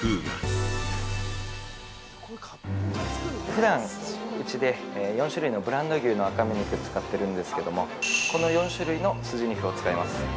◆ふだん、うちで、４種類のブランド牛の赤身肉使ってるんですけどもこの４種類のすじ肉を使います。